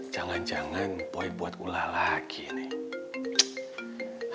jangan jangan poin buat ulah lagi nih